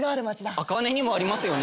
赤羽にもありますよね？